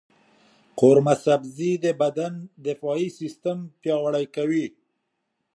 قورمه سبزي د بدن دفاعي سیستم پیاوړی کوي.